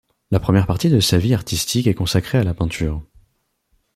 La première partie de sa vie artistique est consacrée à la peinture.